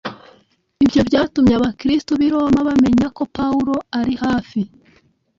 Ibyo byatumye Abakristo b’i Roma bamenya ko Pawulo ari hafi